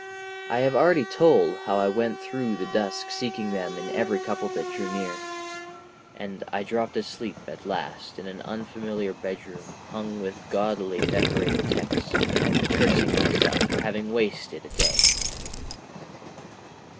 I have already told how I went through the dusk seeking them in every couple that drew near. And I dropped asleep at last in an unfamiliar bedroom hung with gaudily decorated texts, cursing myself for having wasted a day.